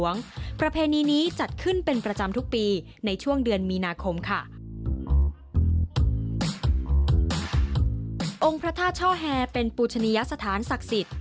องค์พระท่าเช่าแห่เป็นปูชนิยสถานศักดิ์สิทธิ์